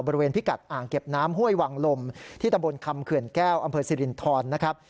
พิกัดอ่างเก็บน้ำห้วยวังลมที่ตำบลคำเขื่อนแก้วอำเภอสิรินทรนะครับ